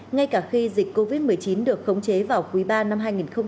ngay cả khi dịch covid một mươi chín được khống chế vào quý ba năm hai nghìn hai mươi